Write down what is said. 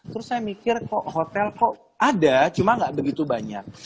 terus saya mikir kok hotel kok ada cuma nggak begitu banyak